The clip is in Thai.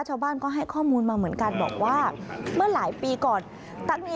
ชาวบ้านก็ให้ข้อมูลมาเหมือนกันบอกว่าเมื่อหลายปีก่อน